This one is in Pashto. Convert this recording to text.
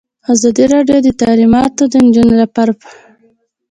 ازادي راډیو د تعلیمات د نجونو لپاره په اړه د خلکو پوهاوی زیات کړی.